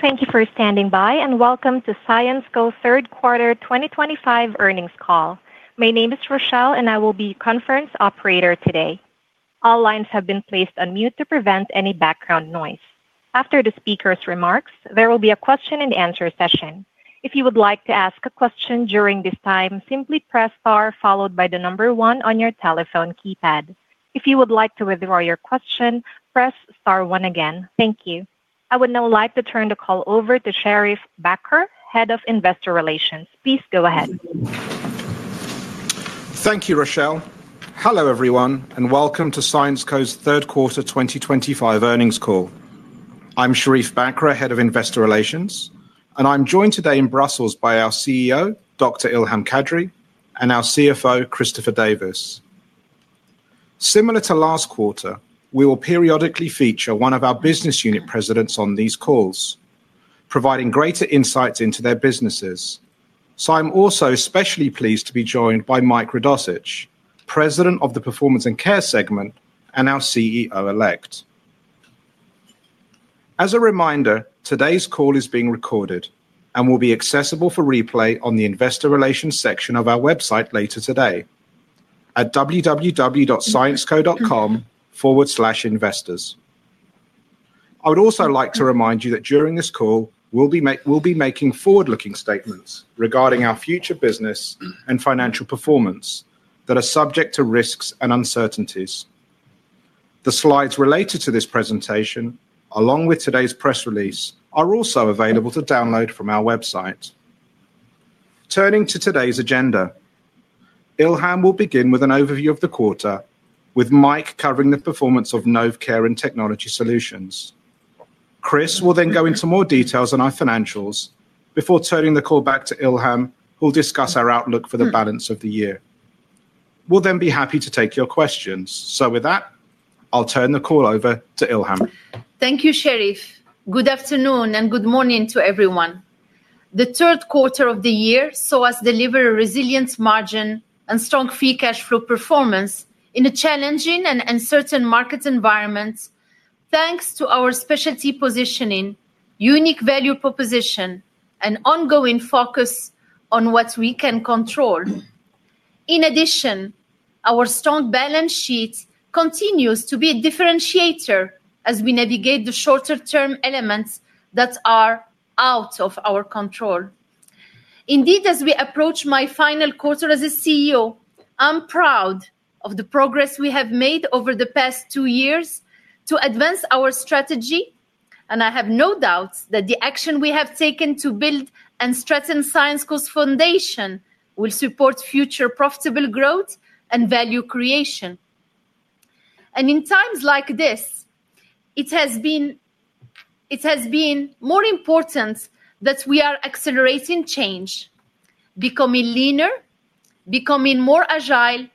Thank you for standing by, and welcome to Syensqo Third Quarter 2025 earnings call. My name is Rochelle, and I will be your conference operator today. All lines have been placed on mute to prevent any background noise. After the speaker's remarks, there will be a question-and-answer session. If you would like to ask a question during this time, simply press star followed by the number one on your telephone keypad. If you would like to withdraw your question, press star one again. Thank you. I would now like to turn the call over to Sherief Bakr, Head of Investor Relations. Please go ahead. Thank you, Rochelle. Hello, everyone, and welcome to Syensqo's Third Quarter 2025 earnings call. I'm Sherief Bakr, Head of Investor Relations, and I'm joined today in Brussels by our CEO, Dr. Ilham Kadri, and our CFO, Christopher Davis. Similar to last quarter, we will periodically feature one of our business unit presidents on these calls, providing greater insights into their businesses. So I'm also especially pleased to be joined by Mike Radossich, President of the Performance and Care segment and our CEO elect. As a reminder, today's call is being recorded and will be accessible for replay on the Investor Relations section of our website later today. At www. Syensqo.com/investors. I would also like to remind you that during this call, we'll be making forward-looking statements regarding our future business and financial performance that are subject to risks and uncertainties. The slides related to this presentation, along with today's press release, are also available to download from our website. Turning to today's agenda, Ilham will begin with an overview of the quarter, with Mike covering the performance of Novecare and Technology Solutions. Chris will then go into more details on our financials before turning the call back to Ilham, who will discuss our outlook for the balance of the year. We'll then be happy to take your questions. So with that, I'll turn the call over to Ilham. Thank you, Sherief. Good afternoon and good morning to everyone. The third quarter of the year saw us deliver a resilient margin and strong free cash flow performance in a challenging and uncertain market environment. Thanks to our specialty positioning, unique value proposition, and ongoing focus on what we can control. In addition, our strong balance sheet continues to be a differentiator as we navigate the shorter-term elements that are out of our control. Indeed, as we approach my final quarter as a CEO, I'm proud of the progress we have made over the past two years to advance our strategy, and I have no doubt that the action we have taken to build and strengthen Syensqo's foundation will support future profitable growth and value creation. In times like this, it has been more important that we are accelerating change, becoming leaner, becoming more agile,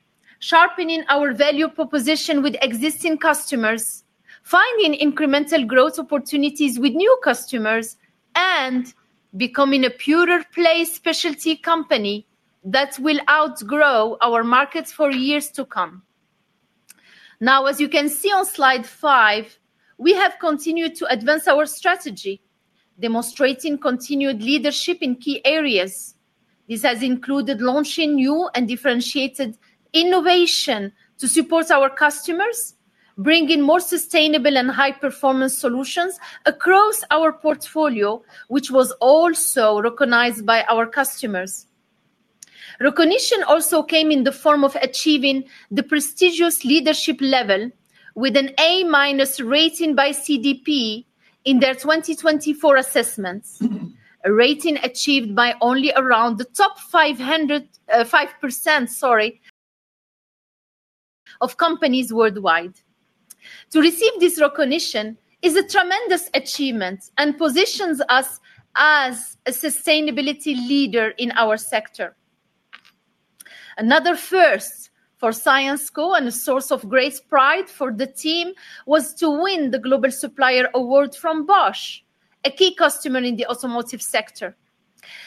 sharpening our value proposition with existing customers, finding incremental growth opportunities with new customers, and becoming a Pure-Play Specialty Company that will outgrow our markets for years to come. Now, as you can see on slide five, we have continued to advance our strategy, demonstrating continued leadership in key areas. This has included launching new and differentiated innovation to support our customers, bringing more sustainable and high-performance solutions across our portfolio, which was also recognized by our customers. Recognition also came in the form of achieving the prestigious leadership level with an A- rating by CDP in their 2024 assessments, a rating achieved by only around the top 500 of companies worldwide. To receive this recognition is a tremendous achievement and positions us as a sustainability leader in our sector. Another first for Syensqo and a source of great pride for the team was to win the Global Supplier Award from Bosch, a key customer in the automotive sector.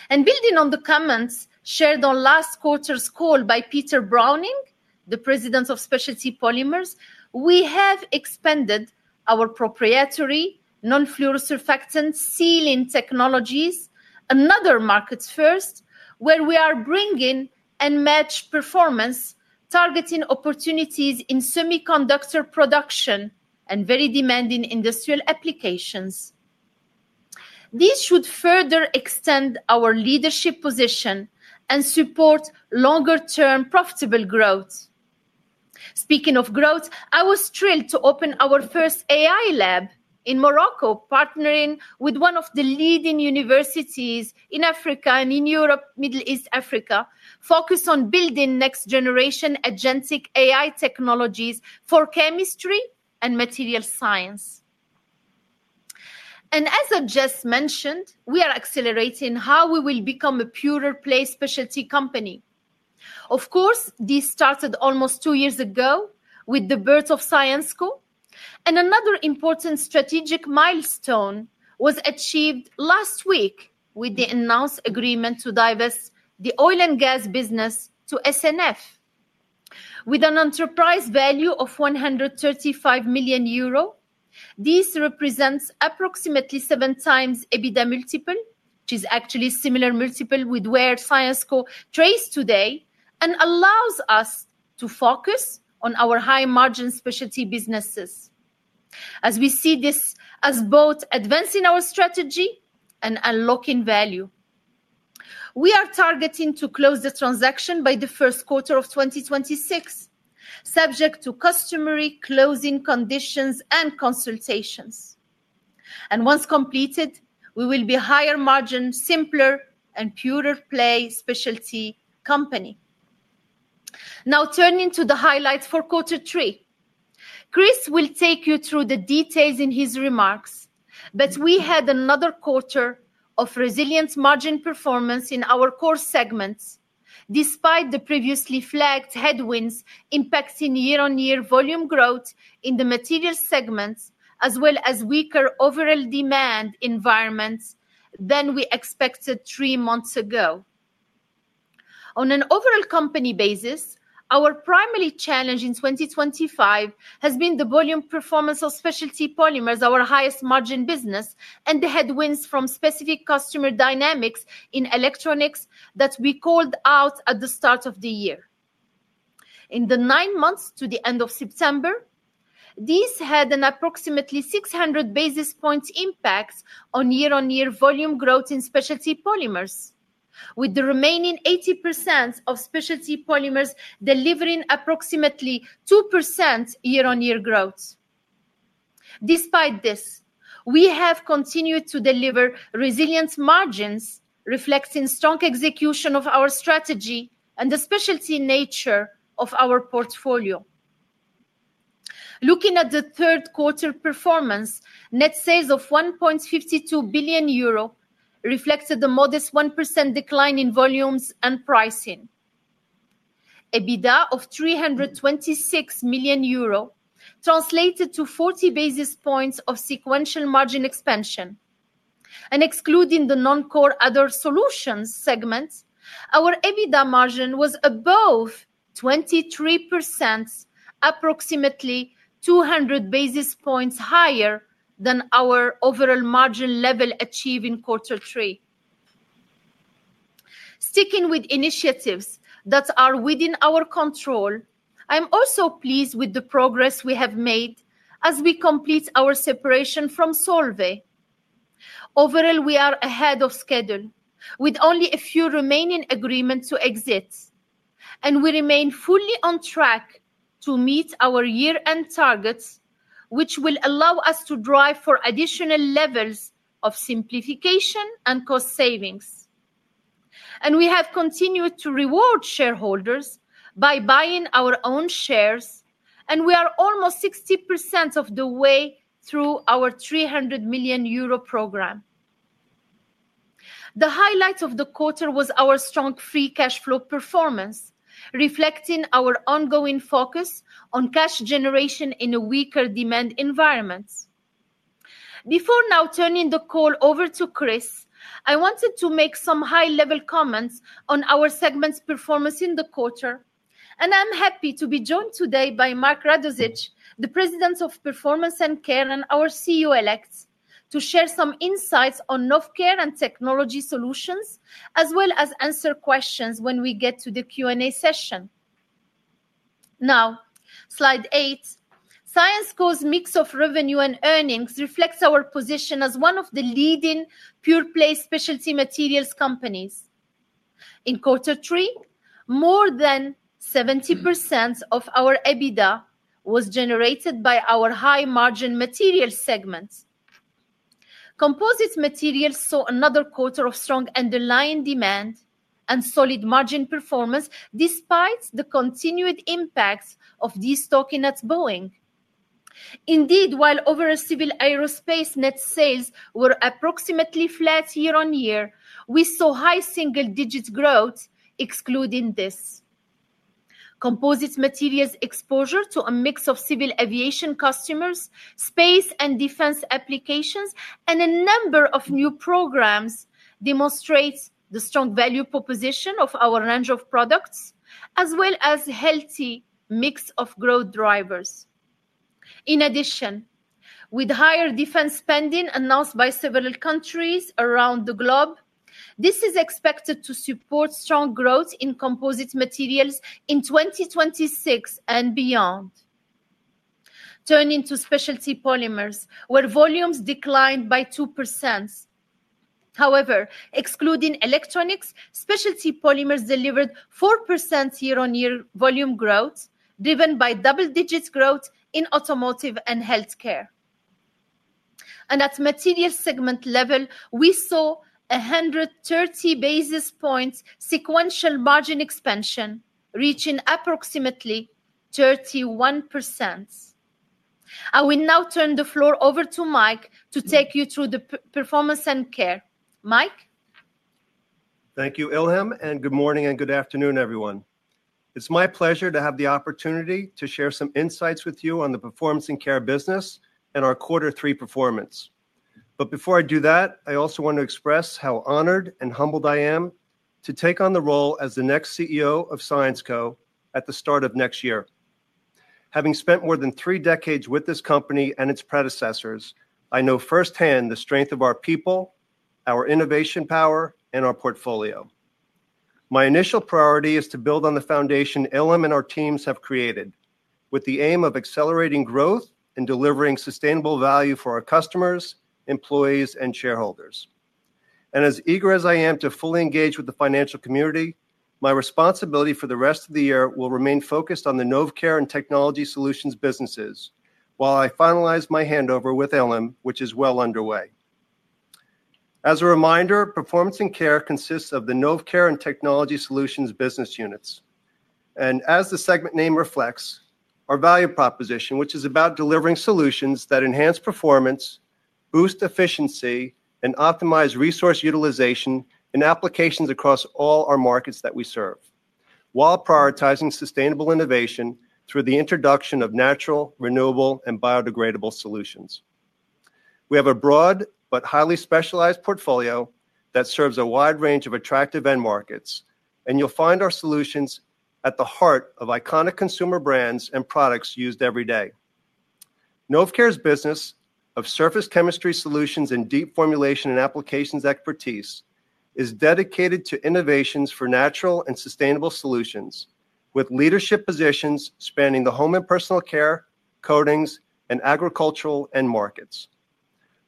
And building on the comments shared on last quarter's call by Peter Browning, the President of Specialty Polymers, we have expanded our Proprietary Non-Fluorosurfactant Sealing Technologies, another market first, where we are bringing in and matching performance, targeting opportunities in semiconductor production and very demanding industrial applications. This should further extend our leadership position and support longer-term profitable growth. Speaking of growth, I was thrilled to open our first AI lab in Morocco, partnering with one of the leading universities in Africa and in Europe, Middle East Africa, focused on building next-generation Agentic AI technologies for chemistry and material science. And as I just mentioned, we are accelerating how we will become a Pure-Play Specialty Company. Of course, this started almost two years ago with the birth of Syensqo, and another important strategic milestone was achieved last week with the announced agreement to divest the oil and gas business to S&F. With an enterprise value of 135 million euro, this represents approximately 7x EBITDA multiple, which is actually a similar multiple with where Syensqo traced today, and allows us to focus on our high-margin specialty businesses. As we see this as both advancing our strategy and unlocking value, we are targeting to close the transaction by the first quarter of 2026. Subject to customary closing conditions and consultations. And once completed, we will be a higher-margin, simpler, and Pure-Play Specialty Company. Now, turning to the highlights for quarter three, Chris will take you through the details in his remarks, but we had another quarter of resilient margin performance in our core segments, despite the previously flagged headwinds impacting year-on-year volume growth in the materials segment, as well as weaker overall demand environments than we expected three months ago. On an overall company basis, our primary challenge in 2025 has been the volume performance of Specialty Polymers, our highest-margin business, and the headwinds from specific customer dynamics in electronics that we called out at the start of the year. In the nine months to the end of September. This had an approximately 600 basis points impact on year-on-year volume growth in Specialty Polymers, with the remaining 80% of Specialty Polymers delivering approximately 2% year-on-year growth. Despite this, we have continued to deliver resilient margins, reflecting strong execution of our strategy and the specialty nature of our portfolio. Looking at the third quarter performance, net sales of 1.52 billion euro reflected a modest 1% decline in volumes and pricing. EBITDA of 326 million euro translated to 40 basis points of sequential margin expansion. And excluding the non-core other solutions segment, our EBITDA margin was above 23%. Approximately 200 basis points higher than our overall margin level achieved in quarter three. Sticking with initiatives that are within our control, I'm also pleased with the progress we have made as we complete our separation from Solvay. Overall, we are ahead of schedule, with only a few remaining agreements to exit, and we remain fully on track to meet our year-end targets, which will allow us to drive for additional levels of simplification and cost savings. And we have continued to reward shareholders by buying our own shares, and we are almost 60% of the way through our 300 million euro program. The highlight of the quarter was our strong free cash flow performance, reflecting our ongoing focus on cash generation in a weaker demand environment. Before now turning the call over to Chris, I wanted to make some high-level comments on our segment's performance in the quarter, and I'm happy to be joined today by Mike Radossich, the President of Performance and Care and our CEO elect, to share some insights on Novecare and Technology Solutions, as well as answer questions when we get to the Q&A session. Now, slide eight, Syensqo's mix of revenue and earnings reflects our position as one of the leading Pure-Play specialty Materials Companies. In quarter three, more than 70% of our EBITDA was generated by our high-margin materials segment. Composite materials saw another quarter of strong underlying demand and solid margin performance despite the continued impact of these stock index boeing. Indeed, while overall Civil Aerospace net sales were approximately flat year-on-year, we saw high single-digit growth excluding this. Composite materials exposure to a mix of Civil Aviation customers, Space and Defense applications, and a number of New Programs demonstrates the strong value proposition of our range of products, as well as healthy mix of growth drivers. In addition, with higher defense spending announced by several countries around the globe, this is expected to support strong growth in composite materials in 2026 and beyond. Turning to Specialty Polymers, where volumes declined by 2%. However, excluding Electronics, Specialty Polymers delivered 4% year-on-year volume growth, driven by double-digit growth in Automotive and Healthcare. And at material segment level, we saw a 130 basis point sequential margin expansion, reaching approximately 31%. I will now turn the floor over to Mike to take you through the performance and care. Mike? Thank you, Ilham, and good morning and good afternoon, everyone. It's my pleasure to have the opportunity to share some insights with you on the performance and care business and our quarter three performance. But before I do that, I also want to express how honored and humbled I am to take on the role as the next CEO of Syensqo at the start of next year. Having spent more than three decades with this company and its predecessors, I know firsthand the strength of our people, our innovation power, and our portfolio. My initial priority is to build on the foundation Ilham and our teams have created, with the aim of accelerating growth and delivering sustainable value for our customers, employees, and shareholders. And as eager as I am to fully engage with the financial community, my responsibility for the rest of the year will remain focused on the Novecare and Technology Solutions businesses while I finalize my handover with Ilham, which is well underway. As a reminder, performance and care consists of the Novecare and Technology Solutions business units. And as the segment name reflects, our value proposition, which is about delivering solutions that enhance performance, boost efficiency, and optimize resource utilization in applications across all our markets that we serve, while prioritizing sustainable innovation through the introduction of natural, renewable, and biodegradable solutions. We have a broad but highly specialized portfolio that serves a wide range of attractive end markets, and you'll find our solutions at the heart of iconic consumer brands and products used every day. Novecare's business of surface chemistry solutions and deep formulation and applications expertise is dedicated to innovations for natural and sustainable solutions, with leadership positions spanning the home and personal care, coatings, and agricultural end markets,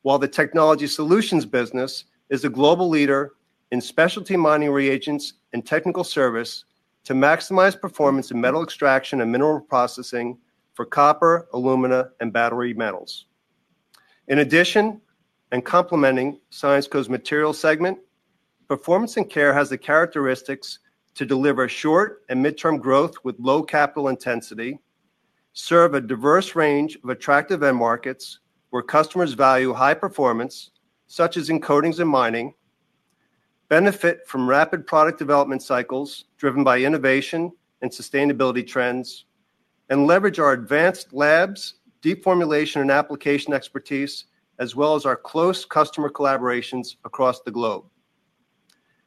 while the technology solutions business is a global leader in Specialty Mining Reagents and technical service to maximize performance in metal extraction and mineral processing for copper, alumina, and battery metals. In addition, and complementing Syensqo's materials segment, performance and care has the characteristics to deliver short and mid-term growth with low Capital intensity, serve a diverse range of attractive end markets where customers value high performance, such as in coatings and mining. Benefit from rapid product development cycles driven by innovation and sustainability trends, and leverage our advanced labs, deep formulation, and application expertise, as well as our close customer collaborations across the globe.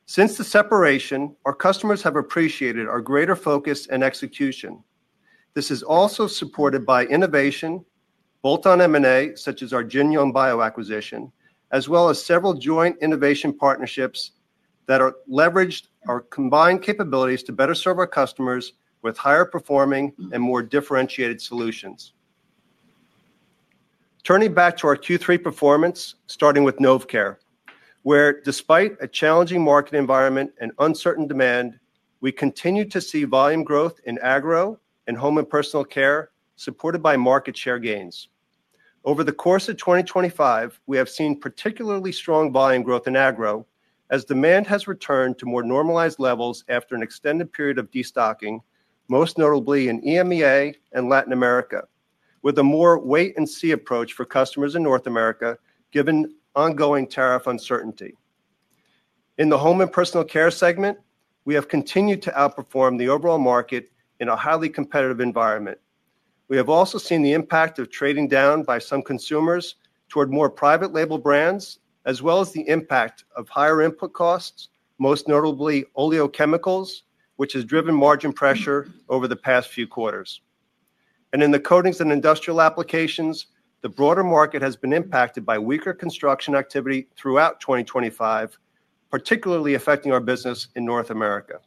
Since the separation, our customers have appreciated our greater focus and execution. This is also supported by innovation, both on M&A such as our Genome Bio Acquisition, as well as several joint innovation partnerships that leverage our combined capabilities to better serve our customers with higher performing and more differentiated solutions. Turning back to our Q3 performance, starting with Novecare, where despite a challenging market environment and uncertain demand, we continue to see volume growth in agro and home and personal care supported by market share gains. Over the course of 2025, we have seen particularly strong volume growth in Agro as demand has returned to more normalized levels after an extended period of destocking, most notably in EMEA and Latin America, with a more wait-and-see approach for customers in North America given ongoing tariff uncertainty. In the Home and Personal Care Segment, we have continued to outperform the overall market in a highly competitive environment. We have also seen the impact of trading down by some consumers toward more private label brands, as well as the impact of higher input costs, most notably Oleochemicals, which has driven margin pressure over the past few quarters. And in the Coatings and Industrial applications, the broader market has been impacted by weaker construction activity throughout 2025, particularly affecting our business in North America.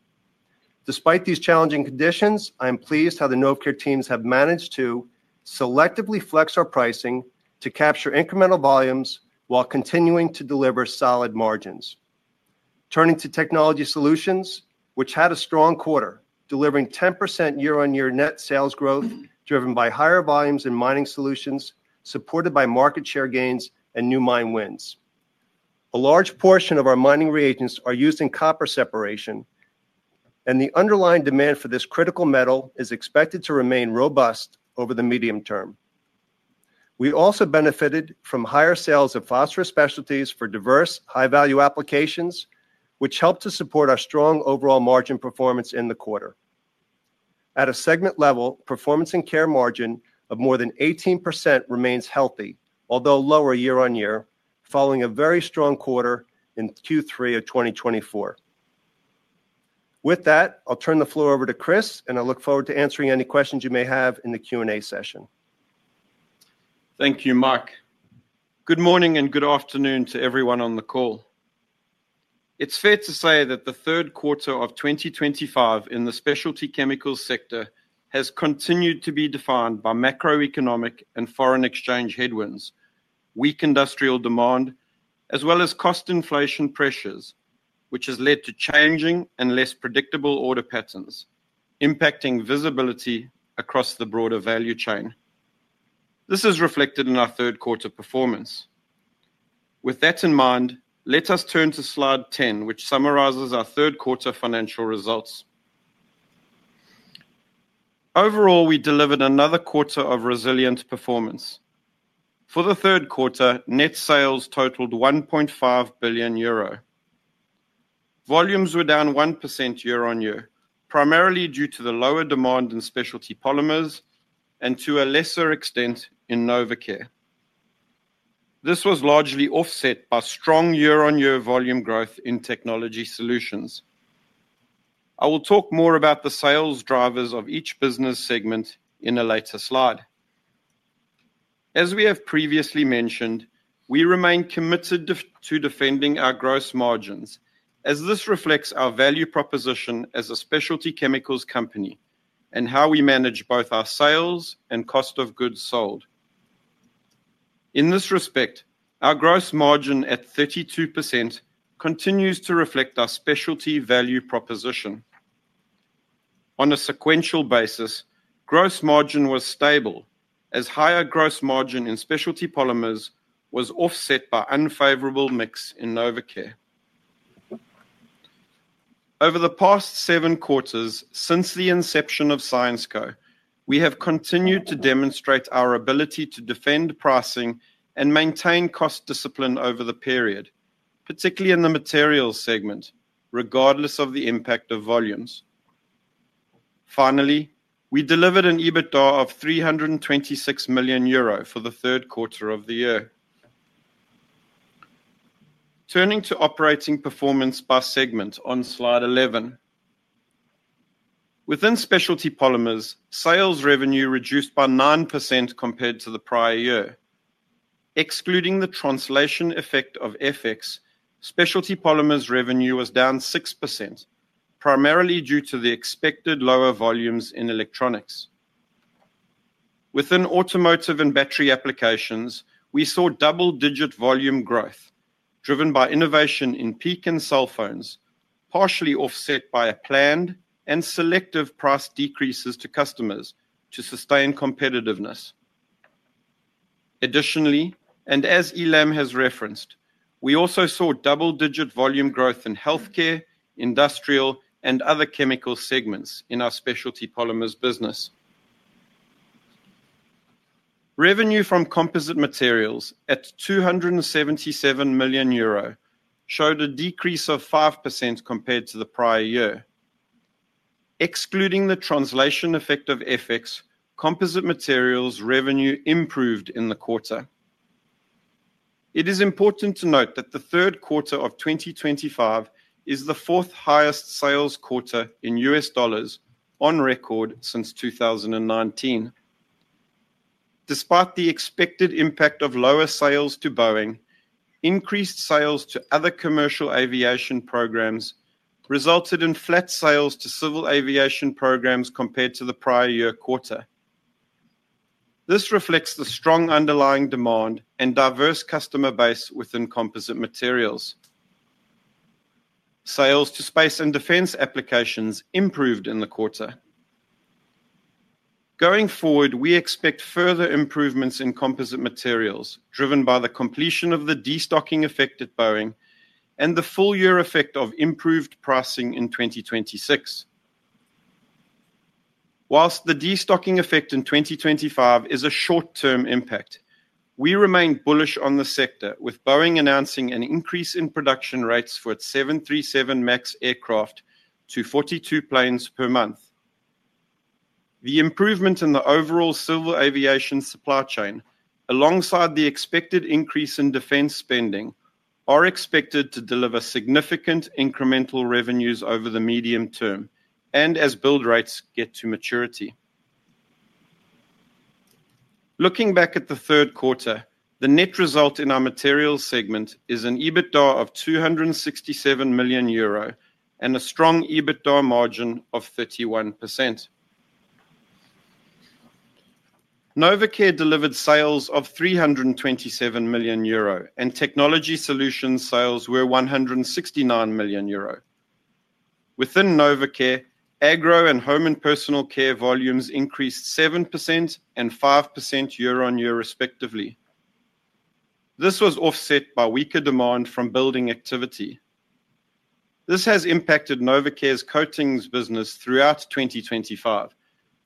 Despite these challenging conditions, I am pleased how the Novecare teams have managed to selectively flex our pricing to capture incremental volumes while continuing to deliver solid margins. Turning to Technology Solutions, which had a strong quarter, delivering 10% year-on-year net sales growth driven by higher volumes in mining solutions supported by market share gains and new mine wins. A large portion of our mining reagents are used in copper separation. And the underlying demand for this critical metal is expected to remain robust over the medium term. We also benefited from higher sales of phosphorus specialties for diverse high-value applications, which helped to support our strong overall margin performance in the quarter. At a segment level, performance and care margin of more than 18% remains healthy, although lower year-on-year, following a very strong quarter in Q3 of 2024. With that, I'll turn the floor over to Chris, and I look forward to answering any questions you may have in the Q&A session. Thank you, Mike. Good morning and good afternoon to everyone on the call. It's fair to say that the third quarter of 2025 in the specialty chemicals sector has continued to be defined by macro-economic and foreign exchange headwinds, weak industrial demand, as well as cost inflation pressures, which has led to changing and less predictable order patterns impacting visibility across the broader value chain. This is reflected in our third quarter performance. With that in mind, let us turn to slide 10, which summarizes our third quarter financial results. Overall, we delivered another quarter of resilient performance. For the third quarter, net sales totaled 1.5 billion euro. Volumes were down 1% year-on-year, primarily due to the lower demand in Specialty Polymers and to a lesser extent in Novecare. This was largely offset by strong year-on-year volume growth in Technology Solutions. I will talk more about the sales drivers of each business segment in a later slide. As we have previously mentioned, we remain committed to defending our gross margins, as this reflects our value proposition as a specialty chemicals company and how we manage both our sales and cost of goods sold. In this respect, our gross margin at 32% continues to reflect our specialty value proposition. On a sequential basis, gross margin was stable, as higher gross margin in Specialty Polymers was offset by unfavorable mix in Novecare. Over the past seven quarters since the inception of Syensqo, we have continued to demonstrate our ability to defend pricing and maintain cost discipline over the period, particularly in the materials segment, regardless of the impact of volumes. Finally, we delivered an EBITDA of 326 million euro for the third quarter of the year. Turning to operating performance by segment on slide 11. Within Specialty Polymers, sales revenue reduced by 9% compared to the prior year. Excluding the translation effect of FX, Specialty Polymers revenue was down 6%, primarily due to the expected lower volumes in electronics. Within Automotive and Battery applications, we saw double-digit volume growth driven by innovation in peak and cell phones, partially offset by a planned and selective price decreases to customers to sustain competitiveness. Additionally, and as Ilham has referenced, we also saw double-digit volume growth in healthcare, industrial, and other chemical segments in our Specialty Polymers business. Revenue from composite materials at 277 million euro. Showed a decrease of 5% compared to the prior year. Excluding the translation effect of FX, composite materials revenue improved in the quarter. It is important to note that the third quarter of 2025 is the fourth highest sales quarter in US dollars on record since 2019. Despite the expected impact of lower sales to Boeing, increased sales to other commercial aviation programs resulted in flat sales to civil aviation programs compared to the prior year quarter. This reflects the strong underlying demand and diverse customer base within composite materials. Sales to Space and Defense applications improved in the quarter. Going forward, we expect further improvements in composite materials driven by the completion of the destocking effect at Boeing and the full year effect of improved pricing in 2026. Whilst the destocking effect in 2025 is a short-term impact, we remain bullish on the sector, with Boeing announcing an increase in production rates for its 737 MAX aircraft to 42 planes per month. The improvement in the overall civil aviation supply chain, alongside the expected increase in defense spending, are expected to deliver significant incremental revenues over the medium term and as build rates get to maturity. Looking back at the third quarter, the net result in our materials segment is an EBITDA of 267 million euro and a strong EBITDA margin of 31%. Novecare delivered sales of 327 million euro, and Technology Solutions sales were 169 million euro. Within Novecare, Agro and Home and Personal Care volumes increased 7% and 5% year-on-year, respectively. This was offset by weaker demand from building activity. This has impacted Novecare's coatings business throughout 2025,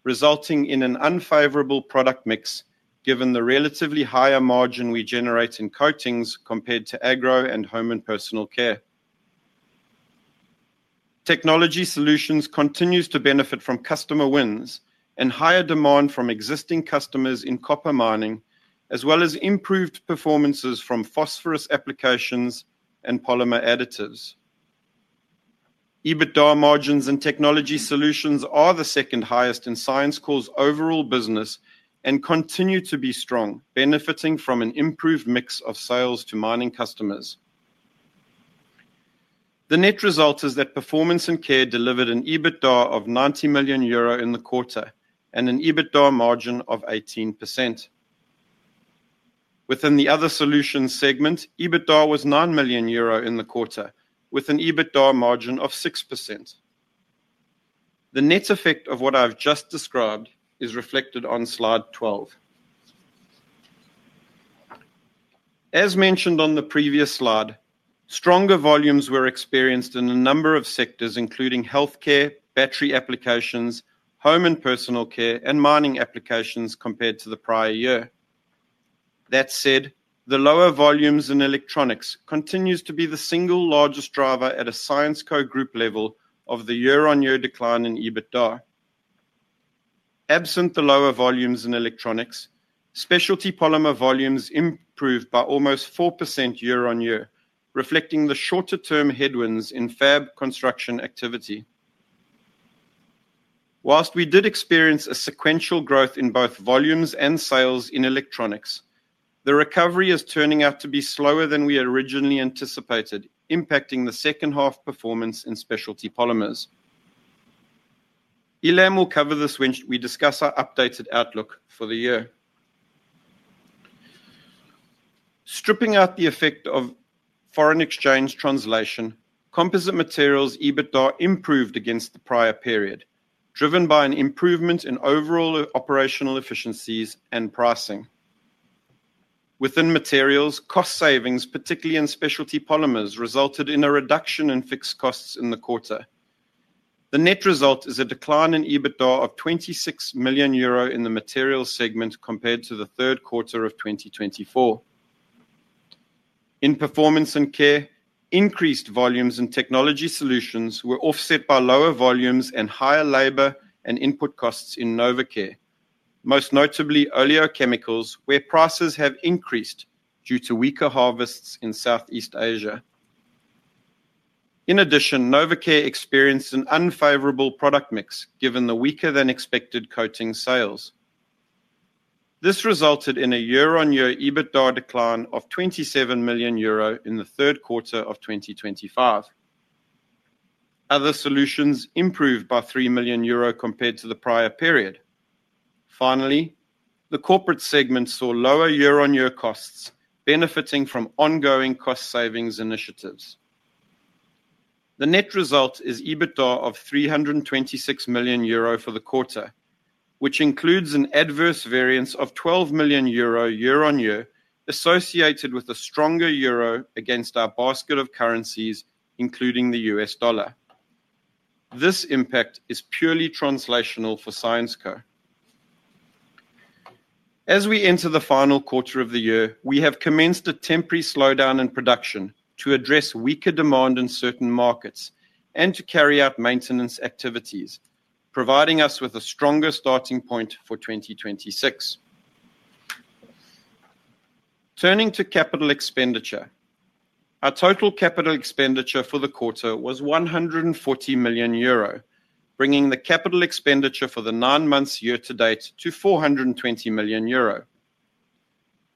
resulting in an unfavorable product mix given the relatively higher margin we generate in coatings compared to Agro and Home and Personal care. Technology Solutions continue to benefit from customer wins and higher demand from existing customers in copper mining, as well as improved performances from Phosphorus applications and Polymer additives. EBITDA margins and technology solutions are the second highest in Syensqo's overall business and continue to be strong, benefiting from an improved mix of sales to mining customers. The net result is that performance and care delivered an EBITDA of 90 million euro in the quarter and an EBITDA margin of 18%. Within the other solutions segment, EBITDA was 9 million euro in the quarter, with an EBITDA margin of 6%. The net effect of what I've just described is reflected on slide 12. As mentioned on the previous slide, stronger volumes were experienced in a number of sectors, including healthcare, battery applications, home and personal care, and mining applications compared to the prior year. That said, the lower volumes in electronics continue to be the single largest driver at a Syensqo group level of the year-on-year decline in EBITDA. Absent the lower volumes in electronics, Specialty Polymer volumes improved by almost 4% year-on-year, reflecting the shorter-term headwinds in Fab Construction activity. Whilst we did experience a sequential growth in both volumes and sales in Electronics, the recovery is turning out to be slower than we originally anticipated, impacting the second-half performance in Specialty Polymers. Ilham will cover this when we discuss our updated outlook for the year. Stripping out the effect of foreign exchange translation, composite materials EBITDA improved against the prior period, driven by an improvement in overall operational efficiencies and pricing. Within materials, cost savings, particularly in Specialty Polymers, resulted in a reduction in fixed costs in the quarter. The net result is a decline in EBITDA of 26 million euro in the materials segment compared to the third quarter of 2024. In performance and care, increased volumes in Technology Solutions were offset by lower volumes and higher labor and input costs in Novecare, most notably Oleochemicals, where prices have increased due to weaker harvests in Southeast Asia. In addition, Novecare experienced an unfavorable product mix given the weaker-than-expected coating sales. This resulted in a year-on-year EBITDA decline of 27 million euro in the third quarter of 2025. Other solutions improved by 3 million euro compared to the prior period. Finally, the corporate segment saw lower year-on-year costs, benefiting from ongoing cost savings initiatives. The net result is EBITDA of 326 million euro for the quarter, which includes an adverse variance of 12 million euro year-on-year associated with a stronger euro against our basket of currencies, including the US dollar. This impact is purely translational for Syensqo. As we enter the final quarter of the year, we have commenced a temporary slowdown in production to address weaker demand in certain markets and to carry out maintenance activities, providing us with a stronger starting point for 2026. Turning to Capital expenditure. Our total Capital expenditure for the quarter was 140 million euro, bringing the Capital expenditure for the nine months year-to-date to 420 million euro.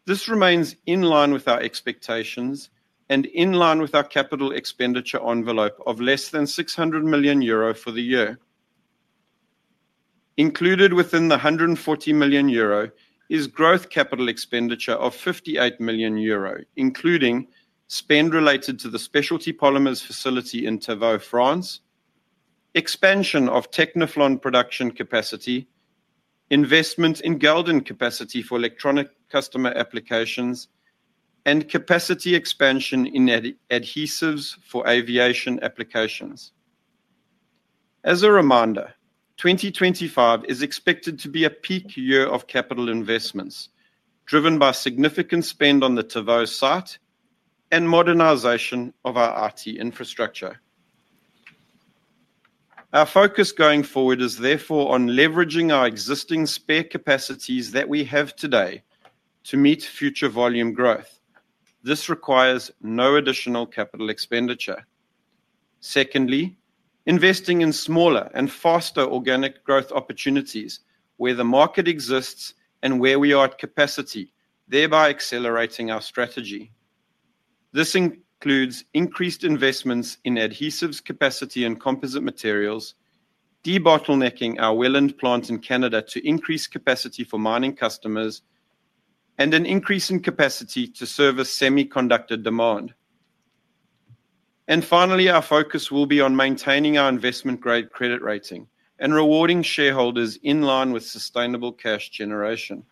This remains in line with our expectations and in line with our Capital expenditure envelope of less than 600 million euro for the year. Included within the 140 million euro is growth Capital expenditure of 58 million euro, including. Spend related to the Specialty Polymers facility in Tivo, France. Expansion of Technophlon production capacity. Investment in gelding capacity for electronic customer applications, and capacity expansion in adhesives for aviation applications. As a reminder, 2025 is expected to be a peak year of Capital investments, driven by significant spend on the Tivo site and modernization of our IT infrastructure. Our focus going forward is therefore on leveraging our existing spare capacities that we have today to meet future volume growth. This requires no additional Capital expenditure. Secondly, investing in smaller and faster organic growth opportunities where the market exists and where we are at capacity, thereby accelerating our strategy. This includes increased investments in Adhesives capacity and Composite materials, debottlenecking our Welland plant in Canada to increase capacity for mining customers, and an increase in capacity to service semiconductor demand. And finally, our focus will be on maintaining our investment-grade credit rating and rewarding shareholders in line with sustainable cash generation.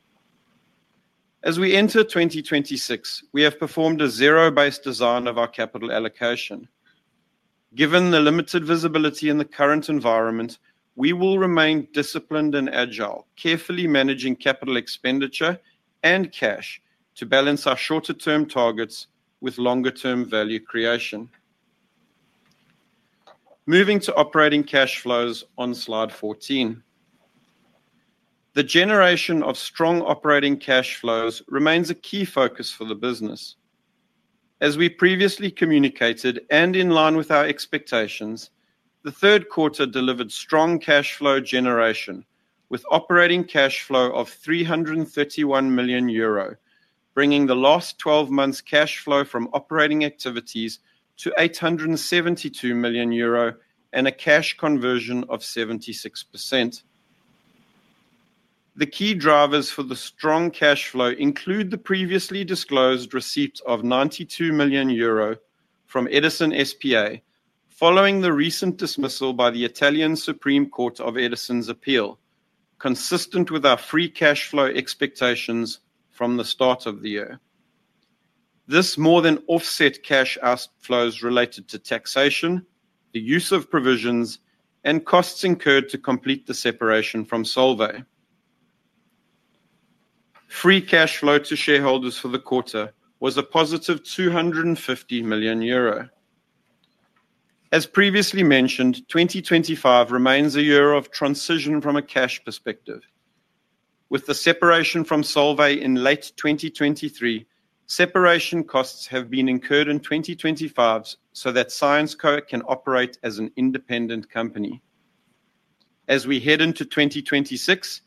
As we enter 2026, we have performed a zero-based design of our Capital allocation. Given the limited visibility in the current environment, we will remain disciplined and agile, carefully managing Capital expenditure and cash to balance our shorter-term targets with longer-term value creation. Moving to operating cash flows on slide 14. The generation of strong operating cash flows remains a key focus for the business. As we previously communicated and in line with our expectations, the third quarter delivered strong cash flow generation with operating cash flow of 331 million euro, bringing the last 12 months' cash flow from operating activities to 872 million euro and a cash conversion of 76%. The key drivers for the strong cash flow include the previously disclosed receipt of 92 million euro. From Edison SpA following the recent dismissal by the Italian Supreme Court of Edison's appeal, consistent with our free cash flow expectations from the start of the year. This more than offset cash outflows related to taxation, the use of provisions, and costs incurred to complete the separation from Solvay. Free cash flow to shareholders for the quarter was a positive 250 million euro. As previously mentioned, 2025 remains a year of transition from a cash perspective. With the separation from Solvay in late 2023, separation costs have been incurred in 2025 so that Syensqo can operate as an independent company. As we head into 2026,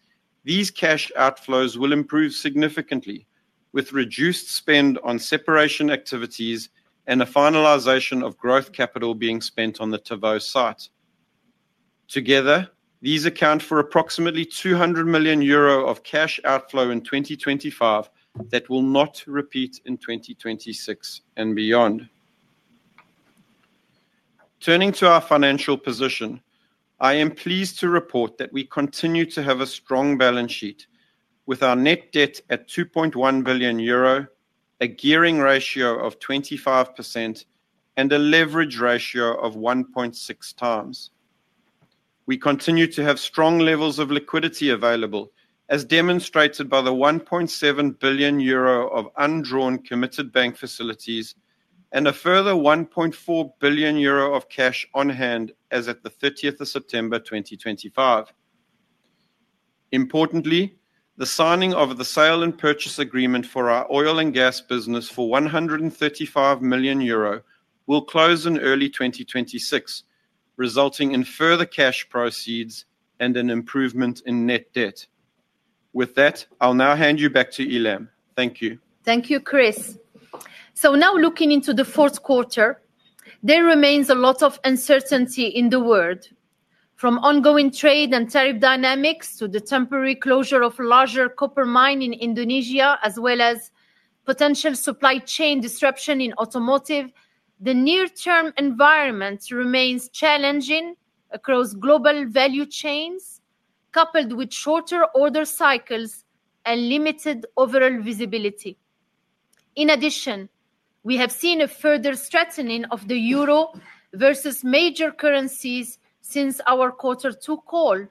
these cash outflows will improve significantly, with reduced spend on separation activities and a finalization of growth Capital being spent on the Tivo site. Together, these account for approximately 200 million euro of cash outflow in 2025 that will not repeat in 2026 and beyond. Turning to our financial position. I am pleased to report that we continue to have a strong balance sheet, with our net debt at 2.1 billion euro, a gearing ratio of 25%, and a leverage ratio of 1.6x. We continue to have strong levels of liquidity available, as demonstrated by the 1.7 billion euro of undrawn committed bank facilities and a further 1.4 billion euro of cash on hand as of 30 September 2025. Importantly, the signing of the sale and purchase agreement for our oil and gas business for 135 million euro. Will close in early 2026. Resulting in further cash proceeds and an improvement in net debt. With that, I'll now hand you back to Ilham. Thank you. Thank you, Chris. So now looking into the fourth quarter, there remains a lot of uncertainty in the world. From ongoing trade and tariff dynamics to the temporary closure of a larger copper mine in Indonesia, as well as potential supply chain disruption in automotive, the near-term environment remains challenging across global value chains, coupled with shorter order cycles and limited overall visibility. In addition, we have seen a further strengthening of the euro vs major currencies since our quarter took hold.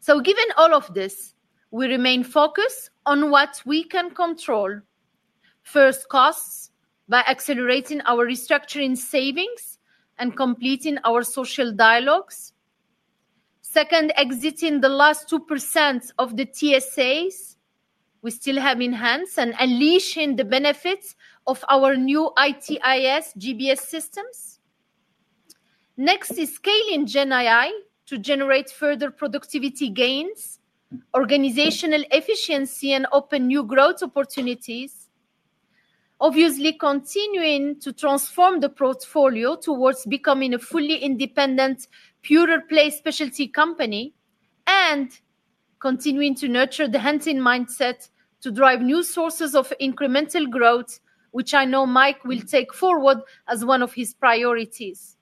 So given all of this, we remain focused on what we can control. First, costs by accelerating our restructuring savings and completing our social dialogues. Second, exiting the last 2% of the TSAs we still have in hand and unleashing the benefits of our new ITIS GBS systems. Next is scaling Gen AI to generate further productivity gains, organizational efficiency, and open new growth opportunities. Obviously, continuing to transform the portfolio towards becoming a fully independent, Pure-Play Specialty Company. Continuing to nurture the hunting mindset to drive new sources of incremental growth, which I know Mike will take forward as one of his priorities.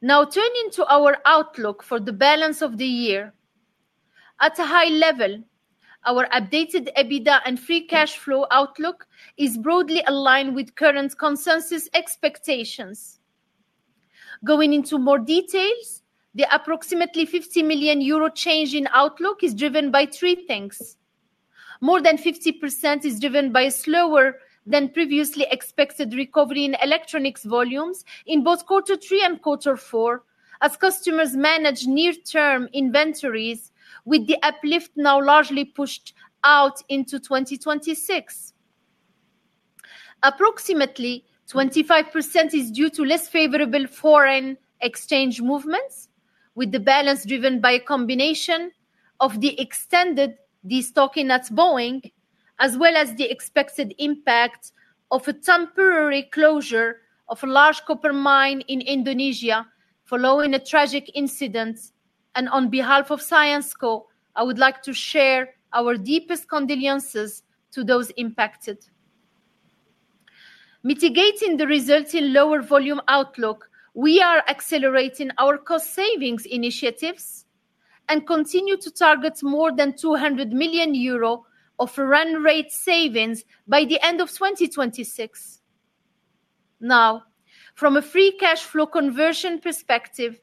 Now turning to our outlook for the balance of the year. At a high level, our updated EBITDA and free cash flow outlook is broadly aligned with current consensus expectations. Going into more details, the approximately 50 million euro change in outlook is driven by three things. More than 50% is driven by a slower than previously expected recovery in electronics volumes in both quarter three and quarter four, as customers manage near-term inventories with the uplift now largely pushed out into 2026. Approximately 25% is due to less favorable foreign exchange movements, with the balance driven by a combination of the extended destocking at Boeing, as well as the expected impact of a temporary closure of a large copper mine in Indonesia following a tragic incident. And on behalf of Syensqo, I would like to share our deepest condolences to those impacted. Mitigating the resulting lower volume outlook, we are accelerating our cost savings initiatives and continue to target more than 200 million euro of run rate savings by the end of 2026. Now, from a free cash flow conversion perspective,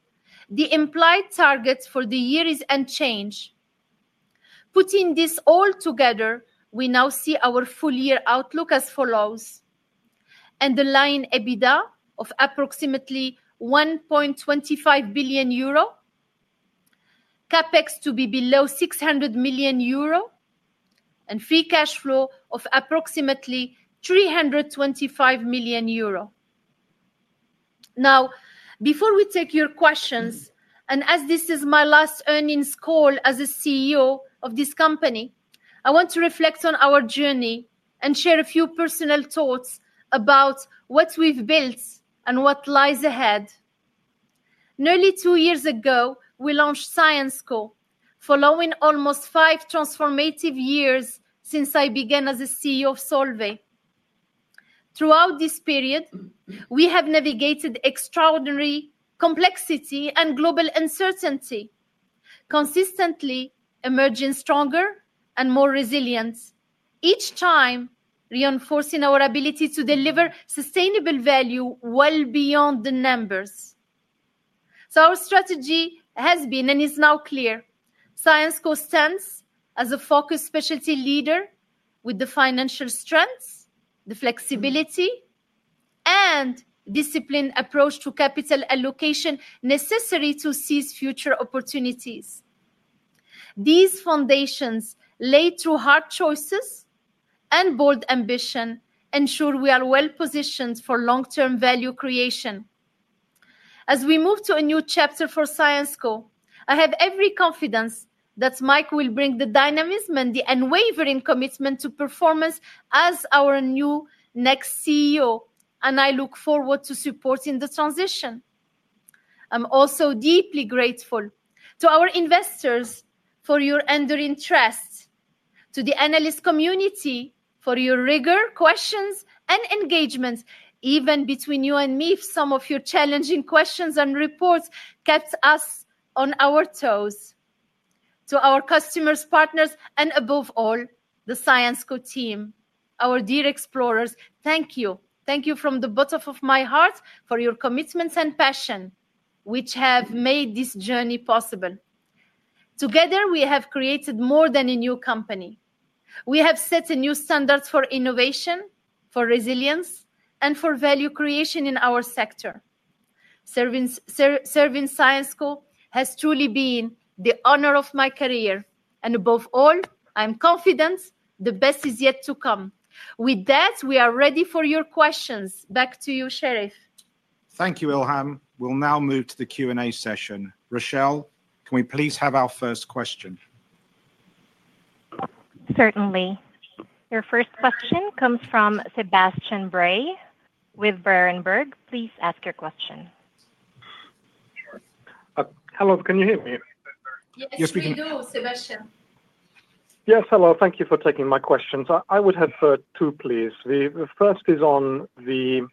the implied target for the year is unchanged. Putting this all together, we now see our full year outlook as follows. Underlying EBITDA of approximately 1.25 billion euro. CapEx to be below 600 million euro. And free cash flow of approximately 325 million euro. Now, before we take your questions, and as this is my last earnings call as a CEO of this company, I want to reflect on our journey and share a few personal thoughts about what we've built and what lies ahead. Nearly two years ago, we launched Syensqo, following almost five transformative years since I began as a CEO of Solvay. Throughout this period, we have navigated extraordinary complexity and global uncertainty. Consistently emerging stronger and more resilient, each time reinforcing our ability to deliver sustainable value well beyond the numbers. So our strategy has been and is now clear. Syensqo stands as a focused specialty leader with the financial strengths, the flexibility. And disciplined approach to Capital allocation necessary to seize future opportunities. These foundations, laid through hard choices and bold ambition, ensure we are well positioned for long-term value creation. As we move to a new chapter for Syensqo, I have every confidence that Mike will bring the dynamism and the unwavering commitment to performance as our new next CEO, and I look forward to supporting the transition. I'm also deeply grateful to our investors for your enduring trust, to the analyst community for your rigor, questions, and engagement, even between you and me if some of your challenging questions and reports kept us on our toes. To our customers, partners, and above all, the Syensqo team, our dear explorers, thank you. Thank you from the bottom of my heart for your commitment and passion, which have made this journey possible. Together, we have created more than a new company. We have set a new standard for innovation, for resilience, and for value creation in our sector. Serving Syensqo has truly been the honor of my career, and above all, I'm confident the best is yet to come. With that, we are ready for your questions. Back to you, Sherief. Thank you, Ilham. We'll now move to the Q&A session. Rochelle, can we please have our first question? Certainly. Your first question comes from Sebastian Bray with Berenberg. Please ask your question. Hello, can you hear me? Yes, we do, Sebastian. Yes, hello. Thank you for taking my questions. I would have two, please. The first is on the,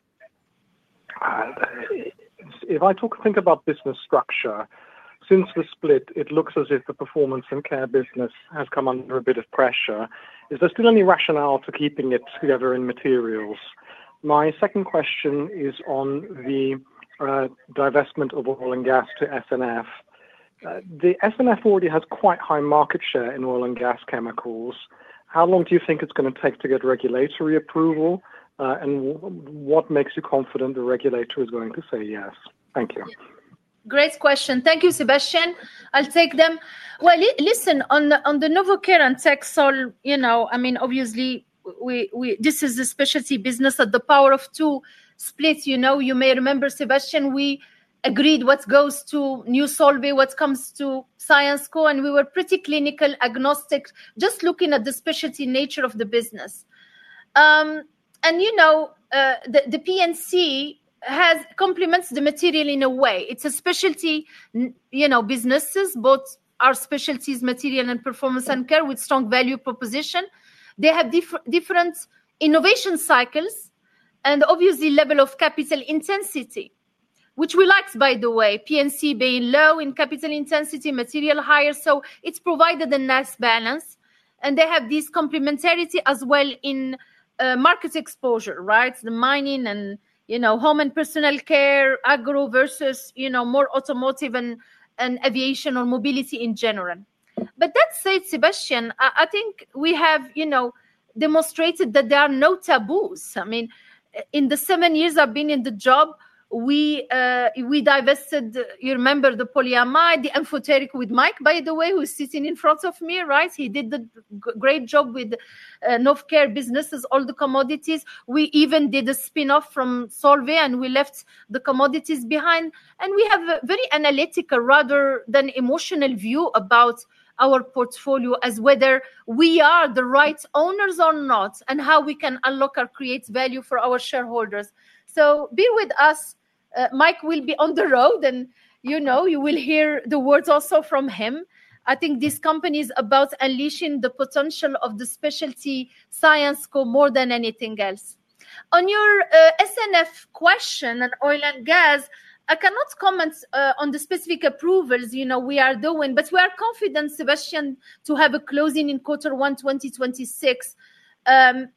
if I think about business structure, since the split, it looks as if the performance and care business has come under a bit of pressure. Is there still any rationale to keeping it together in materials? My second question is on the. Divestment of oil and gas to SNF. The SNF already has quite high market share in oil and gas chemicals. How long do you think it's going to take to get regulatory approval? And what makes you confident the regulator is going to say yes? Thank you. Great question. Thank you, Sebastian. I'll take them. Well, listen, on the Novecare and Texol, I mean, obviously. This is a specialty business at the power of two splits. You may remember, Sebastian, we agreed what goes to new Solvay, what comes to Syensqo, and we were pretty clinical, agnostic, just looking at the specialty nature of the business. The PNC complements the material in a way. It's a specialty businesses, both our specialties, material and performance and care with strong value proposition. They have different innovation cycles and obviously level of Capital intensity, which we like, by the way, PNC being low in Capital Intensity, material higher. So it's provided a nice balance. And they have this complementarity as well in market exposure, right? The Mining and Home and Personal care, Agro vs more Automotive and Aviation or Mobility in general. But that said, Sebastian, I think we have demonstrated that there are no taboos. I mean, in the seven years I've been in the job. We divested, you remember the Polyamide, the Amphoteric with Mike, by the way, who's sitting in front of me, right? He did a great job with. Novecare businesses, all the commodities. We even did a spin-off from Solvay, and we left the commodities behind. And we have a very analytical, rather than emotional view about our portfolio as whether we are the right owners or not and how we can unlock or create value for our shareholders. So be with us. Mike will be on the road, and you will hear the words also from him. I think this company is about unleashing the potential of the specialty Syensqo more than anything else. On your SNF question and oil and gas, I cannot comment on the specific approvals we are doing, but we are confident, Sebastian, to have a closing in quarter one 2026. And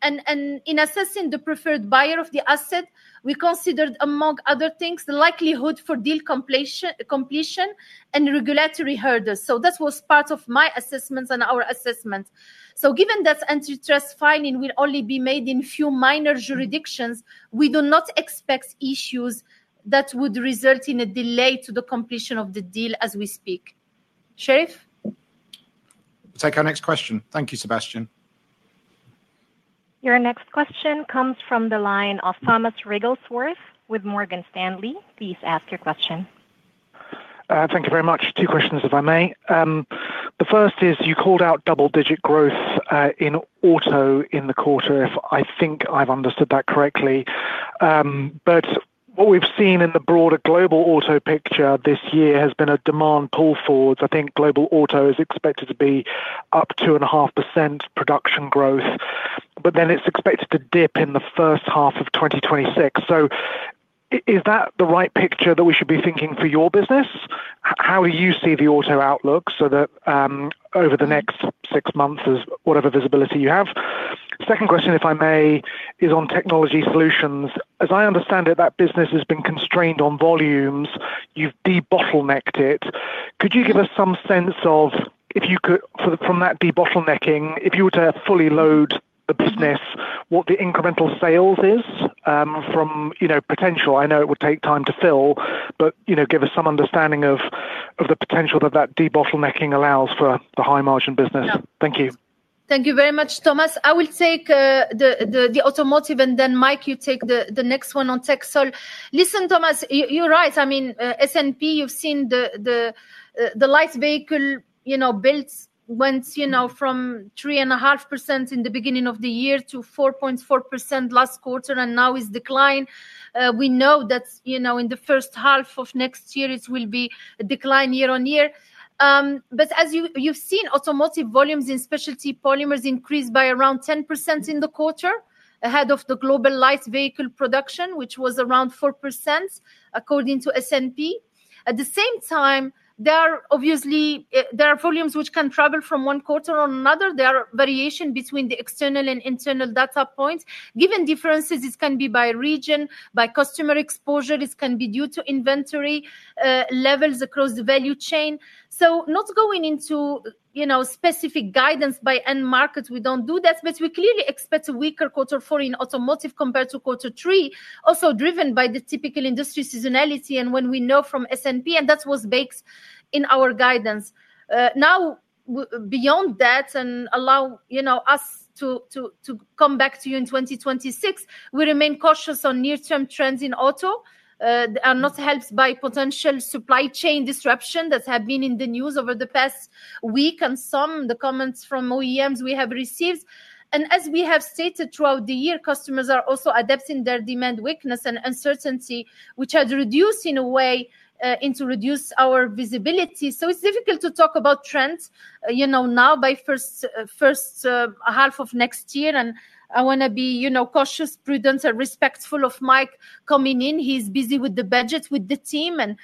in assessing the preferred buyer of the asset, we considered, among other things, the likelihood for deal completion and regulatory hurdles. So that was part of my assessment and our assessment. So given that antitrust filing will only be made in a few minor jurisdictions, we do not expect issues that would result in a delay to the completion of the deal as we speak. Sherief? Take our next question. Thank you, Sebastian. Your next question comes from the line of Thomas Wriggelsworth with Morgan Stanley. Please ask your question. Thank you very much. Two questions, if I may. The first is you called out double-digit growth in Auto in the quarter, if I think I've understood that correctly. But what we've seen in the broader Global Auto picture this year has been a demand pull forward. I think Global Auto is expected to be up 2.5% production growth, but then it's expected to dip in the first half of 2026. So. Is that the right picture that we should be thinking for your business? How do you see the Auto outlook over the next six months, whatever visibility you have? Second question, if I may, is on Technology Solutions. As I understand it, that business has been constrained on volumes. You've debottlenecked it. Could you give us some sense of, from that debottlenecking, if you were to fully load the business, what the incremental sales is from potential? I know it would take time to fill, but give us some understanding of the potential that that debottlenecking allows for the high-margin business. Thank you. Thank you very much, Thomas. I will take. The automotive, and then Mike, you take the next one on Texol. Listen, Thomas, you're right. I mean, S&P, you've seen the light vehicle builds went from 3.5% in the beginning of the year to 4.4% last quarter, and now is decline. We know that in the first half of next year, it will be a decline year-on-year. But as you've seen, Automotive volumes in Specialty Polymers increased by around 10% in the quarter ahead of the global light vehicle production, which was around 4%, according to S&P. At the same time, there are obviously volumes which can travel from one quarter to another. There are variations between the external and internal data points. Given differences, it can be by region, by customer exposure. It can be due to inventory levels across the value chain. So not going into specific guidance by end market, we don't do that, but we clearly expect a weaker quarter four in automotive compared to quarter three, also driven by the typical industry seasonality and what we know from S&P, and that was based in our guidance. Now, beyond that, and allow us to come back to you in 2026, we remain cautious on near-term trends in Auto. They are not helped by potential supply chain disruption that have been in the news over the past week and some of the comments from OEMs we have received. And as we have stated throughout the year, customers are also adapting their demand weakness and uncertainty, which has reduced in a way to reduce our visibility. So it's difficult to talk about trends now by the first. Half of next year, and I want to be cautious, prudent, and respectful of Mike coming in. He's busy with the budget, with the team, and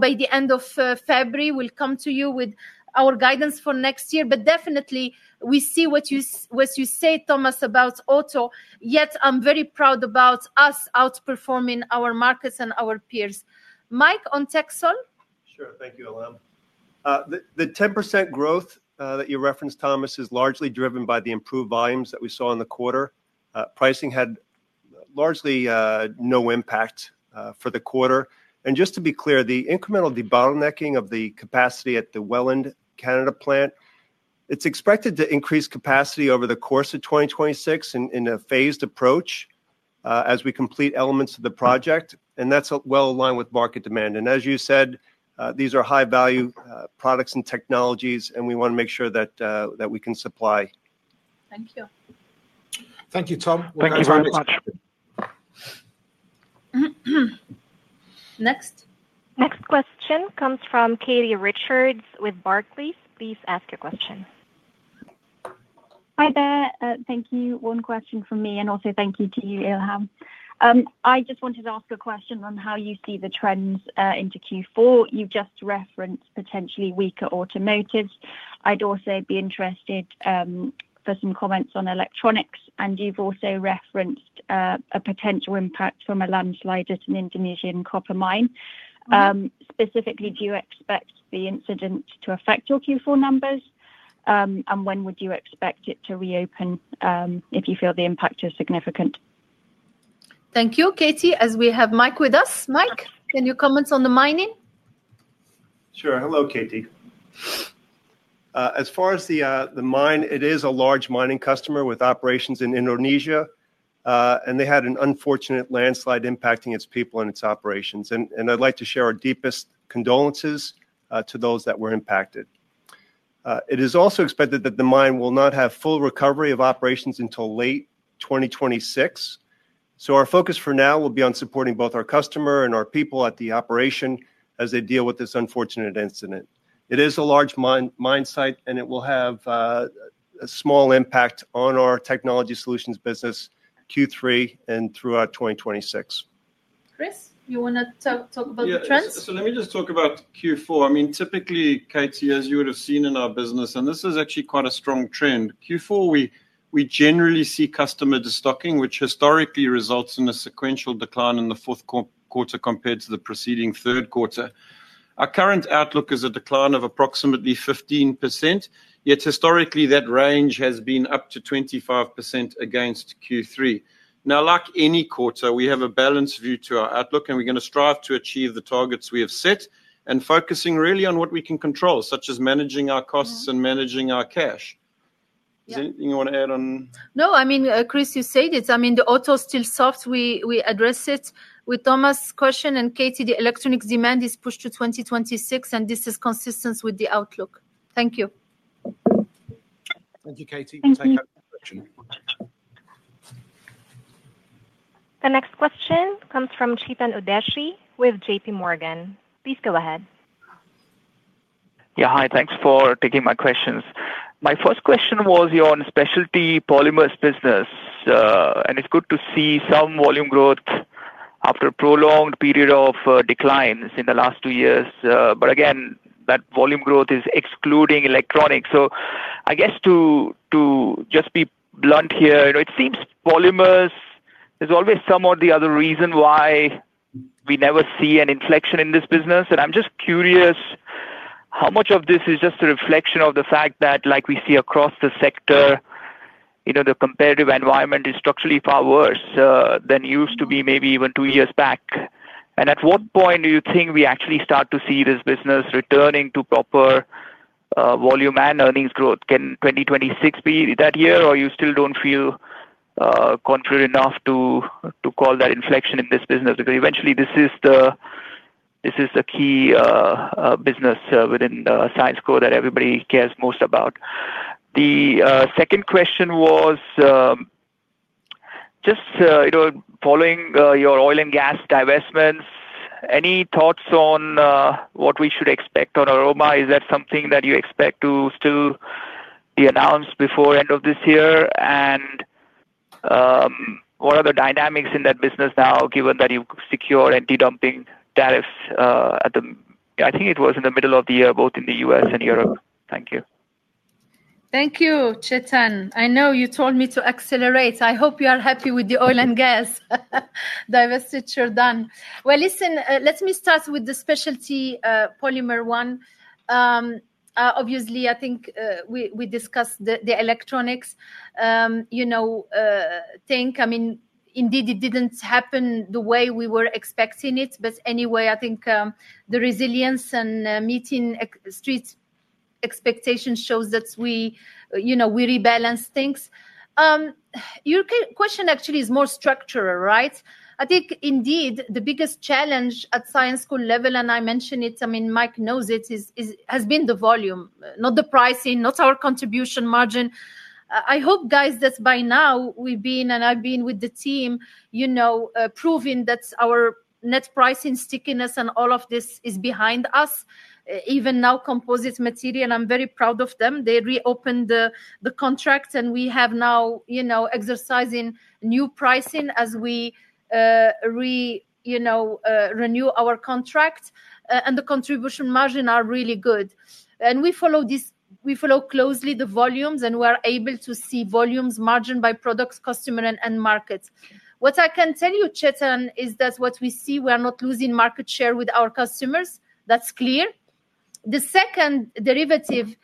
by the end of February, we'll come to you with our guidance for next year. But definitely, we see what you say, Thomas, about Auto, yet I'm very proud about us outperforming our markets and our peers. Mike on Texol? Sure. Thank you, Ilham. The 10% growth that you referenced, Thomas, is largely driven by the improved volumes that we saw in the quarter. Pricing had largely no impact for the quarter. And just to be clear, the incremental debottlenecking of the capacity at the Welland Canada plant, it's expected to increase capacity over the course of 2026 in a phased approach. As we complete elements of the project, and that's well aligned with market demand. And as you said, these are high-value products and technologies, and we want to make sure that we can supply. Thank you. Thank you, Thomas. Thank you very much. Next? Next question comes from Katie Richards with Barclays. Please ask your question. Hi there. Thank you. One question from me, and also thank you to you, Ilham. I just wanted to ask a question on how you see the trends into Q4. You've just referenced potentially weaker automotives. I'd also be interested. For some comments on electronics, and you've also referenced a potential impact from a landslide at an Indonesian copper mine. Specifically, do you expect the incident to affect your Q4 numbers? And when would you expect it to reopen if you feel the impact is significant? Thank you, Katie, as we have Mike with us. Mike, can you comment on the mining? Sure. Hello, Katie. As far as the mine, it is a large mining customer with operations in Indonesia. And they had an unfortunate landslide impacting its people and its operations. And I'd like to share our deepest condolences to those that were impacted. It is also expected that the mine will not have full recovery of operations until late 2026. So our focus for now will be on supporting both our customer and our people at the operation as they deal with this unfortunate incident. It is a large mine site, and it will have. A small impact on our Technology Solutions business Q3 and throughout 2026. Chris, you want to talk about the trends? Yes. So let me just talk about Q4. I mean, typically, Katie, as you would have seen in our business, and this is actually quite a strong trend. Q4, we generally see customer destocking, which historically results in a sequential decline in the fourth quarter compared to the preceding third quarter. Our current outlook is a decline of approximately 15%, yet historically, that range has been up to 25% against Q3. Now, like any quarter, we have a balanced view to our outlook, and we're going to strive to achieve the targets we have set and focusing really on what we can control, such as managing our costs and managing our cash. Is there anything you want to add on? No, I mean, Chris, you said it. I mean, the Auto Steel Soft, we address it with Thomas' question. And Katie, the electronics demand is pushed to 2026, and this is consistent with the outlook. Thank you. Thank you, Katie. We'll take our next question. The next question comes from Chetan Udeshi with JPMorgan. Please go ahead. Yeah, hi. Thanks for taking my questions. My first question was on Specialty Polymers business. And it's good to see some volume growth after a prolonged period of declines in the last two years. But again, that volume growth is excluding Electronics. So I guess to just be blunt here, it seems Polymers, there's always some or the other reason why we never see an inflection in this business. And I'm just curious, how much of this is just a reflection of the fact that, like we see across the sector? The competitive environment is structurally far worse than it used to be maybe even two years back. And at what point do you think we actually start to see this business returning to proper. Volume and earnings growth? Can 2026 be that year, or you still don't feel confident enough to call that inflection in this business? Because eventually, this is the key business within Syensqo that everybody cares most about. The second question was just following your oil and gas divestments, any thoughts on what we should expect on Aroma? Is that something that you expect to still be announced before the end of this year? What are the dynamics in that business now, given that you've secured anti-dumping tariffs at the—I think it was in the middle of the year, both in the U.S. and Europe? Thank you. Thank you, Chetan. I know you told me to accelerate. I hope you are happy with the Oil and Gas Divestiture done. Well, listen, let me start with the Specialty Polymer one. Obviously, I think we discussed the Electronics thing. I mean, indeed, it didn't happen the way we were expecting it. But anyway, I think the resilience and meeting street expectations shows that we rebalance things. Your question actually is more structural, right? I think, indeed, the biggest challenge at Syensqo level, and I mentioned it, I mean, Mike knows it, has been the volume, not the pricing, not our contribution margin. I hope, guys, that by now we've been, and I've been with the team, proving that our net pricing stickiness and all of this is behind us. Even now, composite material, I'm very proud of them. They reopened the contract, and we have now. Exercising new pricing as we renew our contract. And the contribution margin are really good. And we follow closely the volumes, and we are able to see volumes, margin by products, customer, and market. What I can tell you, Chetan, is that what we see, we are not losing market share with our customers. That's clear the second derivative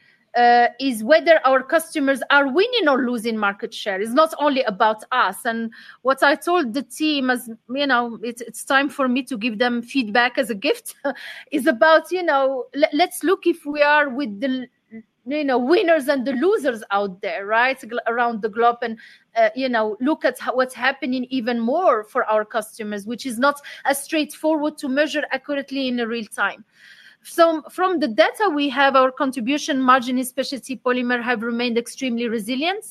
is whether our customers are winning or losing market share. It's not only about us. And what I told the team as it's time for me to give them feedback as a gift is about. Let's look if we are with the winners and the losers out there, right, around the globe, and look at what's happening even more for our customers, which is not as straightforward to measure accurately in real time. So from the data we have, our contribution margin in Specialty Polymer has remained extremely resilient.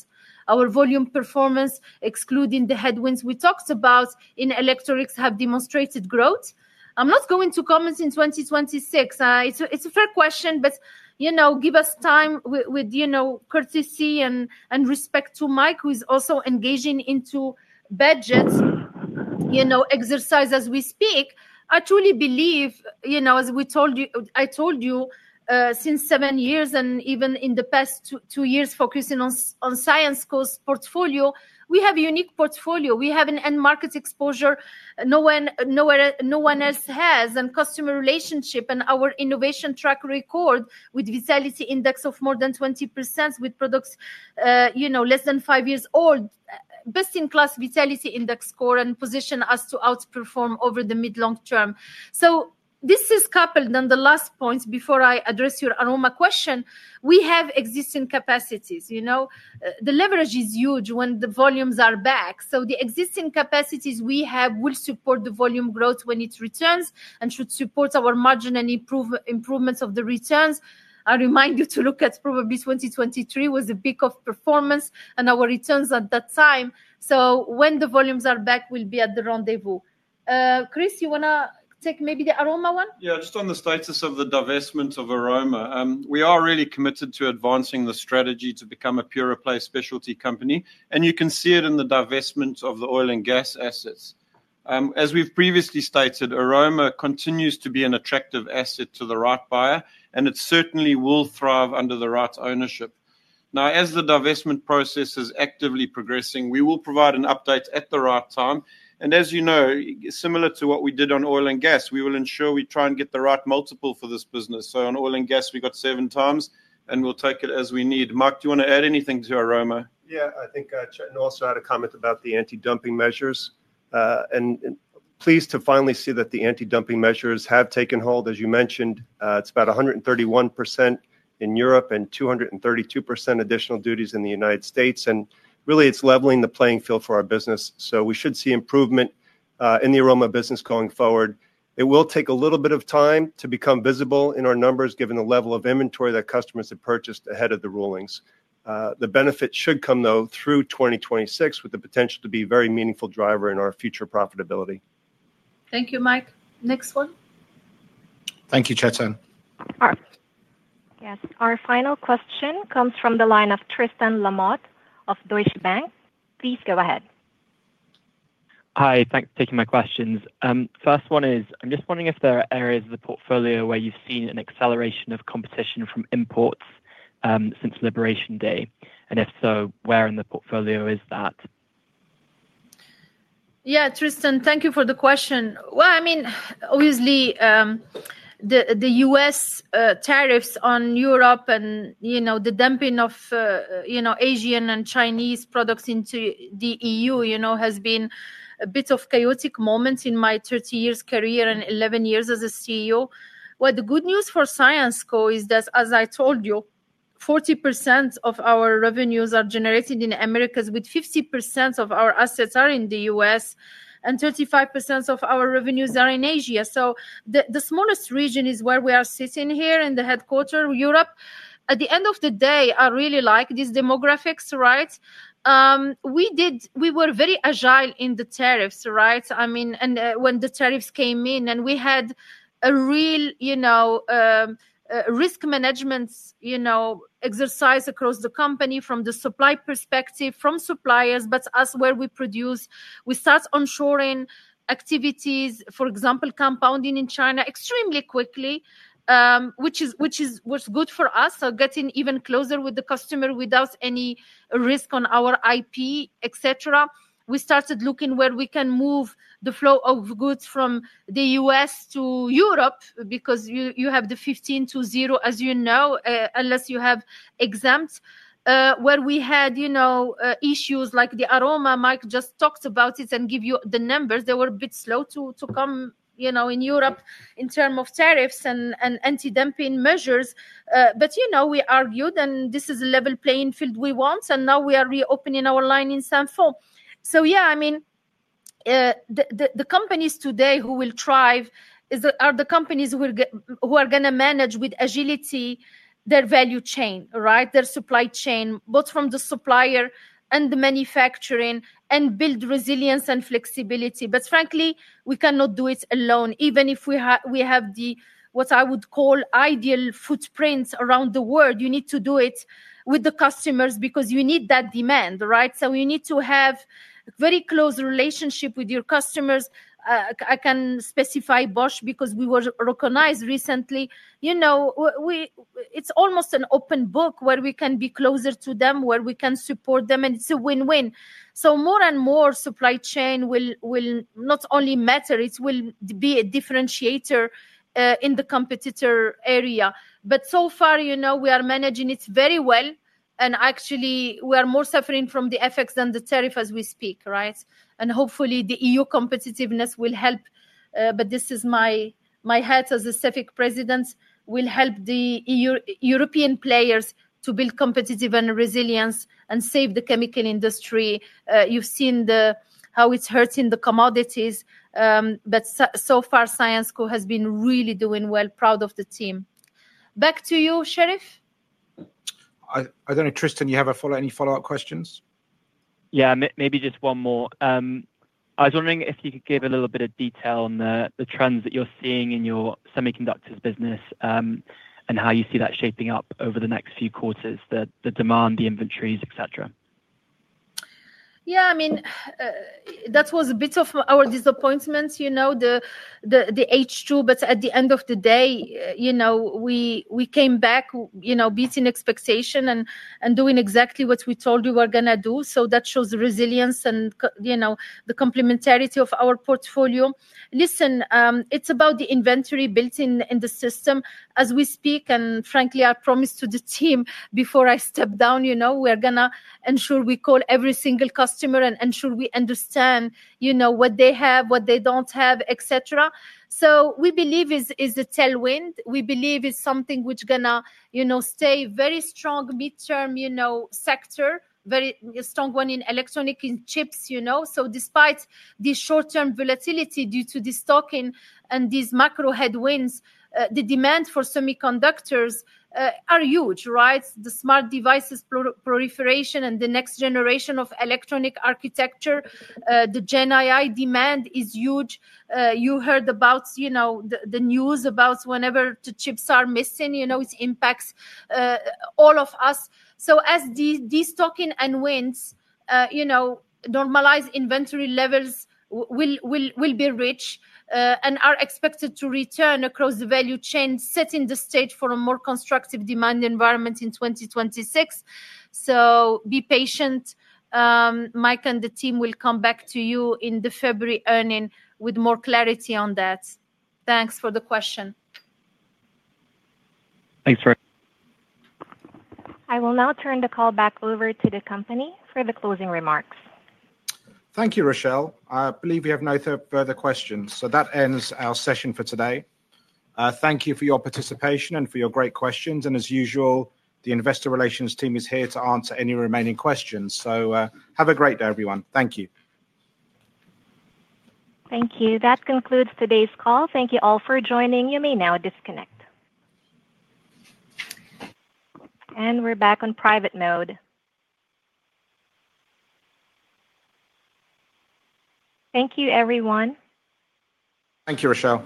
Our Volume performance, excluding the headwinds we talked about in Electronics, has demonstrated growth. I'm not going to comment in 2026. It's a fair question, but give us time with courtesy and respect to Mike, who is also engaging into budget exercise as we speak. I truly believe, as I told you. Since seven years and even in the past two years, focusing on Syensqo's portfolio, we have a unique portfolio. We have an end market exposure no one else has and customer relationship and our innovation track record with vitality index of more than 20% with products. Less than five years old, best-in-class Vitality Index score and position us to outperform over the mid-long term. So this is coupled on the last point before I address your Aroma question. We have existing capacities. The leverage is huge when the volumes are back. So the existing capacities we have will support the volume growth when it returns and should support our margin and improvements of the returns. I remind you to look at probably 2023 was a peak of performance and our returns at that time. So when the volumes are back, we'll be at the rendezvous. Chris, you want to take maybe the Aroma one? Yeah, just on the status of the divestment of Aroma. We are really committed to advancing the strategy to become a Pure-Replace Specialty company. And you can see it in the divestment of the Oil and Gas assets. As we've previously stated, Aroma continues to be an attractive asset to the right buyer, and it certainly will thrive under the right ownership. Now, as the divestment process is actively progressing, we will provide an update at the right time. And as you know, similar to what we did on Oil and Gas, we will ensure we try and get the right multiple for this business. So on Oil and Gas, we got 7x and we'll take it as we need. Mike, do you want to add anything to Aroma? Yeah, I think Chetan also had a comment about the Anti-Dumping Measures. And pleased to finally see that the Anti-Dumping Measures have taken hold. As you mentioned, it's about 131% in Europe and 232% additional duties in the United States. And really, it's leveling the playing field for our business. So we should see improvement in the Aroma business going forward. It will take a little bit of time to become visible in our numbers given the level of inventory that customers have purchased ahead of the rulings. The benefit should come, though, through 2026 with the potential to be a very meaningful driver in our future profitability. Thank you, Mike. Next one? Thank you, Chetan. Yes, our final question comes from the line of Tristan Lamotte of Deutsche Bank. Please go ahead. Hi, thanks for taking my questions. First one is, I'm just wondering if there are areas of the portfolio where you've seen an acceleration of competition from imports since Liberation Day? And if so, where in the portfolio is that? Yeah, Tristan, thank you for the question. Well, I mean, obviously the US tariffs on Europe and the dumping of Asian and Chinese products into the EU has been a bit of a chaotic moment in my 30 years career and 11 years as a CEO. Well, the good news for Syensqo is that, as I told you, 40% of our revenues are generated in the Americas, with 50% of our assets in the U.S., and 35% of our revenues are in Asia. So the smallest region is where we are sitting here in the headquarters, Europe. At the end of the day, I really like these demographics, right? We were very agile in the tariffs, right? I mean, and when the tariffs came in, and we had a real Risk Management exercise across the company from the supply perspective, from suppliers. But us where we produce, we start onshoring activities, for example, compounding in China extremely quickly. Which was good for us, getting even closer with the customer without any risk on our IP, etc. We started looking where we can move the flow of goods from the U.S. to Europe because you have the 15 to 0, as you know, unless you have exempt. Where we had issues like the Aroma, Mike just talked about it and gave you the numbers. They were a bit slow to come in Europe in terms of tariffs and Anti-Dumping Measures. But we argued, and this is a level playing field we want, and now we are reopening our line in Syensqo. So yeah, I mean the companies today who will thrive are the companies who are going to manage with agility their value chain, right? Their supply chain, both from the supplier and the manufacturing, and build resilience and flexibility. But frankly, we cannot do it alone, even if we have what I would call ideal footprint around the world. You need to do it with the customers because you need that demand, right? So you need to have a very close relationship with your customers. I can specify Bosch because we were recognized recently. It's almost an open book where we can be closer to them, where we can support them, and it's a win-win. So more and more supply chain will not only matter, it will be a differentiator. In the competitor area. But so far, we are managing it very well. And actually, we are more suffering from the effects than the tariff as we speak, right? And hopefully, the EU competitiveness will help. But this is my hat as a CEFIC president, will help the. European players to build competitiveness and resilience and save the chemical industry. You've seen how it's hurting the commodities. But so far, Syensqo has been really doing well, proud of the team. Back to you, Sherief. I don't know, Tristan, you have any follow-up questions? Yeah, maybe just one more. I was wondering if you could give a little bit of detail on the trends that you're seeing in your semiconductors business. And how you see that shaping up over the next few quarters, the demand, the inventories, etc? Yeah, I mean. That was a bit of our disappointment. The H2, but at the end of the day. We came back beating expectation and doing exactly what we told you we were going to do. So that shows resilience and the complementarity of our portfolio. Listen, it's about the inventory built in the system as we speak. And frankly, I promised to the team before I stepped down, we're going to ensure we call every single customer and ensure we understand. What they have, what they don't have, etc. So we believe it's a tailwind. We believe it's something which is going to stay very strong mid-term sector, very strong one in Electronics in chips. So despite the short-term volatility due to the stocking and these macro-headwinds, the demand for semiconductors are huge, right? The Smart Devices proliferation and the next generation of Electronic Architecture, the Gen AI demand is huge. You heard about the news about whenever the chips are missing, it impacts all of us. So as these stocking and winds, normalize inventory levels, will be rich and are expected to return across the value chain, setting the stage for a more constructive demand environment in 2026. So be patient. Mike and the team will come back to you in the February earning with more clarity on that. Thanks for the question. Thanks, Ilham. I will now turn the call back over to the company for the closing remarks. Thank you, Rochelle. I believe we have no further questions. So that ends our session for today. Thank you for your participation and for your great questions. And as usual, the investor relations team is here to answer any remaining questions. So have a great day, everyone. Thank you. Thank you. That concludes today's call. Thank you all for joining. You may now disconnect. And we're back on private mode. Thank you, everyone. Thank you, Rochelle.